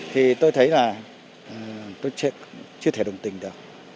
thì tôi thấy là tôi chưa thể đồng tình được